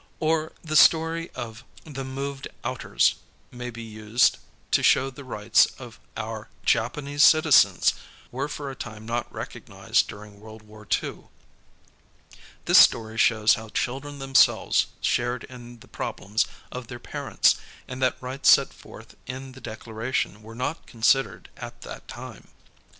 HOW CHILDREN LEARN ABOUT HUMAN RIGHTS 5 Or tlie story of The Moved Outers * may be used to show the riehts of our Japanese citizens were for a time not recognized during World War II. This story shows how children themselves shared in the problems of their parents, and that rights set forth in the Declaration were not considered at that time.